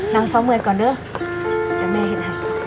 นั่งซ้องเมืองก่อนด้วย